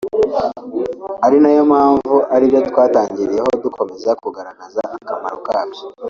Ari nayo mpamvu ari byo twatangiriyeho dukomeza kugaragaza akamaro kabyo